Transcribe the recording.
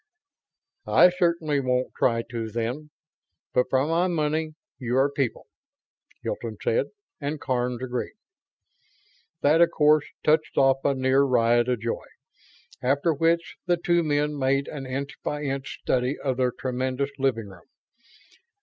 "I certainly won't try to, then. But for my money, you are people," Hilton said, and Karns agreed. That, of course, touched off a near riot of joy; after which the two men made an inch by inch study of their tremendous living room.